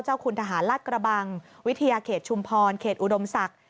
คุณทหารลาดกระบังวิทยาเขตชุมพรเขตอุดมศักดิ์